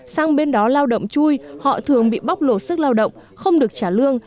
sang bên đó lao động chui họ thường bị bóc lột sức lao động không được trả lương